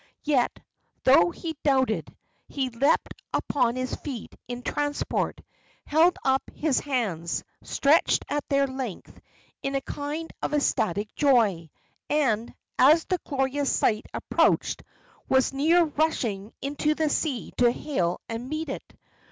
Yet, though he doubted, he leaped upon his feet in transport, held up his hands, stretched at their length, in a kind of ecstatic joy, and, as the glorious sight approached, was near rushing into the sea to hail and meet it.